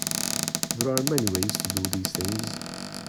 There are many ways to do these things.